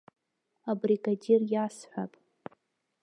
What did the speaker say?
Абригадир иасҳәап.